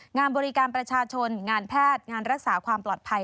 งานบริการประชาชนงานแพทย์งานรักษาความปลอดภัย